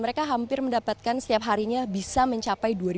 mereka hampir mendapatkan setiap harinya bisa mencapai dua kali